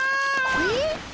えっ？